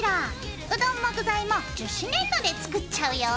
うどんも具材も樹脂粘土で作っちゃうよ。